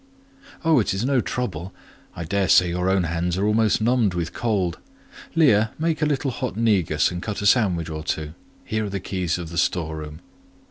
"Oh, it is no trouble; I dare say your own hands are almost numbed with cold. Leah, make a little hot negus and cut a sandwich or two: here are the keys of the storeroom."